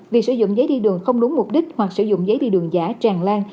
việc sử dụng giấy đi đường không đúng mục đích hoặc sử dụng giấy đi đường giả tràn lan